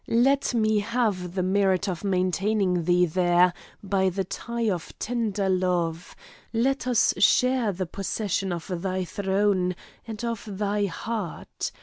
Let me have the merit of maintaining thee there by the tie of tender love; let us share the possession of the throne and of thy heart.